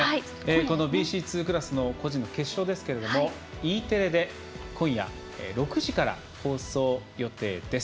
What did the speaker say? このＢＣ２クラスの個人決勝ですけれどもＥテレで今夜６時から放送予定です。